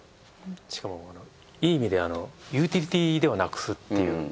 しかもいい意味でユーティリティーではなくすっていう。